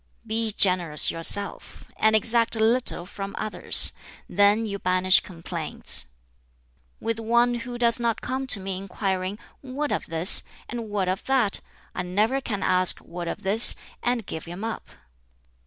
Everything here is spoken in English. "Be generous yourself, and exact little from others; then you banish complaints. "With one who does not come to me inquiring 'What of this?' and 'What of that?' I never can ask 'What of this?' and give him up.